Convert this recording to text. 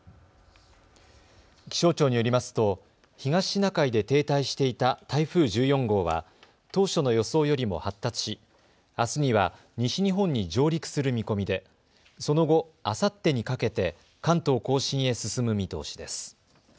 気象庁によりますと東シナ海で停滞していた台風１４号は当初の予想よりも発達しあすには西日本に上陸する見込みでその後、あさってにかけて関東甲信へ進む見通しです。